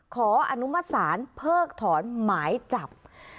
ขออนุมัติศาลเพิกถอนหมายจับ